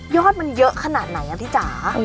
ยกเยอะขนาดไหนนะฟิจารณ์